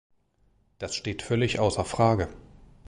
Das steht völlig außer Frage.